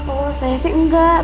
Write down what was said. oh saya sih enggak